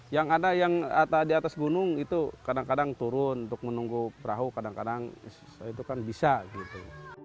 yang ada yang di atas gunung itu kadang kadang turun untuk menunggu perahu kadang kadang itu kan bisa gitu